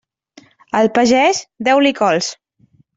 Al pagès, deu-li cols.